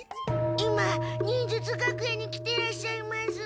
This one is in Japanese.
今忍術学園に来てらっしゃいます。